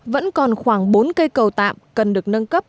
vẫn còn khoảng bốn cây cầu tạm cần được nâng cấp